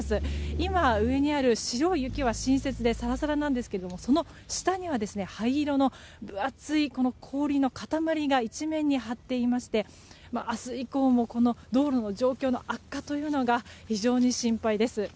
今、上にある白い雪は新雪でサラサラですがその下には灰色の分厚い氷の塊が一面に張っていまして明日以降も道路の状況の悪化というのが非常に心配です。